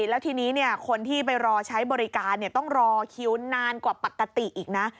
แล้วทีนี้คนที่ไปรอใช้บริการต้องรอคิวนานกว่าปกติอีกนะ